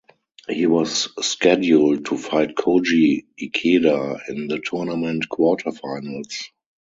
He was scheduled to fight Koji Ikeda in the tournament quarterfinals.